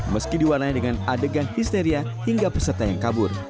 meski diwarnai dengan adegan histeria hingga peserta yang kabur